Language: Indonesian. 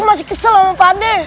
aku masih kesel sama pak de